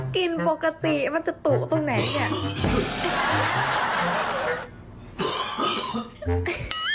กินปกติมันจะตุตรงไหนเนี่ย